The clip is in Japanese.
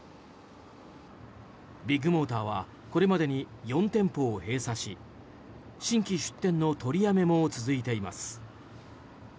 ビッグモーターはこれまでに４店舗を閉鎖し新規出店の取りやめも続いています。